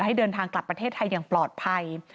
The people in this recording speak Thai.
ให้เดินทางกลับประเทศไทยอย่างปลอดภัย